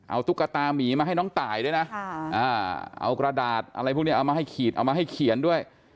เอาตุ๊กตามีมาให้น้องตายด้วยนะเอากระดาษอะไรพวกนี้เอามาให้ขีดเอามาให้เขียนด้วย